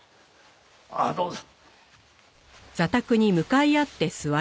あっどうぞ。